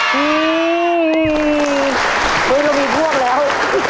เฮ้ยเรามีพวกแล้ว